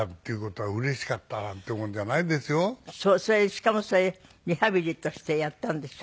しかもそれでリハビリとしてやったんでしょ？